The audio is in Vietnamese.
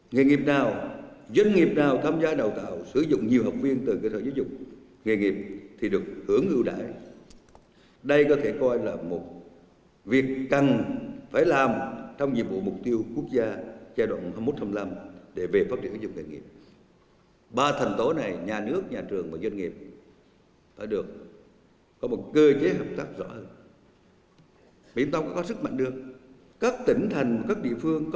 nghề nghiệp nào doanh nghiệp nào tham gia đào tạo sử dụng nhiều học viên từ cơ thể giới dụng nghề nghiệp thì được hưởng ưu đại đây có thể coi là một việc cần phải làm trong nhiệm vụ mục tiêu quốc gia giai đoạn hai mươi một hai mươi năm để về phát triển giới dụng nghề nghiệp